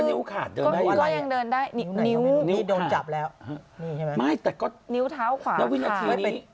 ก็นิ้วขาดเดินได้อยู่ไหมนิ้วขาดนี่โดนจับแล้วนี่ใช่ไหมนิ้วเท้าขาดแล้ววินาทีนี้